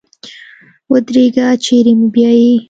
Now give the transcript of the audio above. ودرېږه چېري مو بیایې ؟